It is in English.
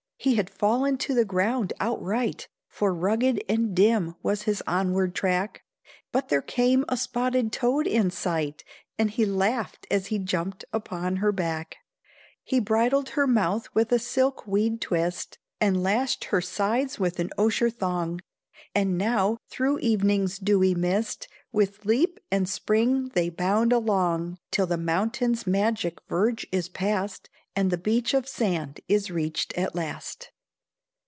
He had fallen to the ground outright, For rugged and dim was his onward track, But there came a spotted toad in sight, And he laughed as he jumped upon her back; He bridled her mouth with a silk weed twist; He lashed her sides with an osier thong; And now through evening's dewy mist, With leap and spring they bound along, Till the mountain's magic verge is past, And the beach of sand is reached at last.